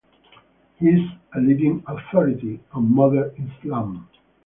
He is a leading authority on modern Islam.